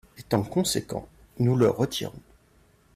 Étant conséquents, nous le retirons.